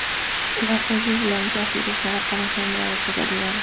La folle blanche ha sido usada para engendrar otras variedades.